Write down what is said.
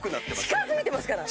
近づいてますから。